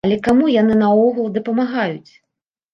Але каму яны наогул дапамагаюць.